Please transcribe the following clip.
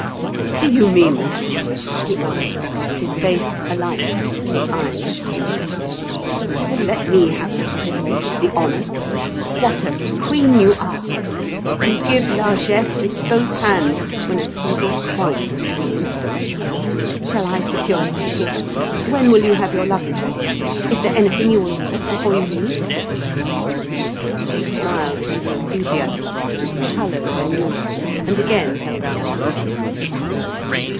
"Do you mean that?" he asked, his face alight, his eyes shining. "You will let me have the privilege, the honour? What a queen you are! You give largesse with both hands when a simple coin would have been enough. Shall I secure your tickets? When will you have your luggage ready? Is there anything you will need before you leave?" She smiled at his enthusiasm, coloured anew, and again held out her hand.